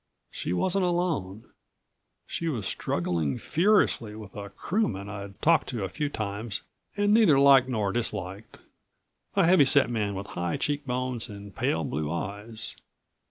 She wasn't alone. She was struggling furiously with a crewman I'd talked to a few times and neither liked nor disliked a heavyset man with high cheekbones and pale blue eyes.